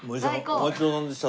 お待ちどおさまでした。